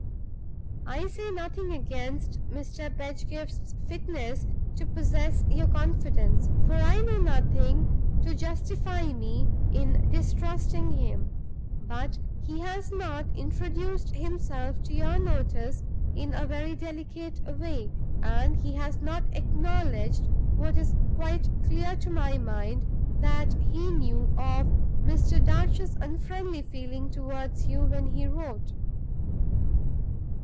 "I say nothing against Mr. Pedgift's fitness to possess your confidence, for I know nothing to justify me in distrusting him. But he has not introduced himself to your notice in a very delicate way; and he has not acknowledged (what is quite clear to my mind) that he knew of Mr. Darch's unfriendly feeling toward you when he wrote.